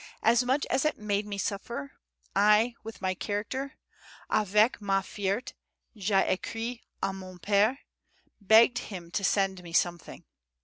As much as it made me suffer, I with my character, AVEC MA FIERTE J'AI ECRIS A MON PERE, begged him to send me something.